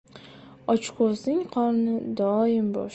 • Ochko‘zning qorni doim bo‘sh.